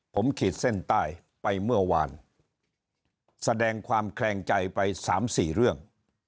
ผมขีดเส้นใต้ไปเมื่อวานแสดงความแคลงใจไปสามสี่เรื่อง